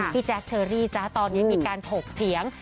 พี่แจ๊กเชอรี่ตอนนี้มีการโผกเสียง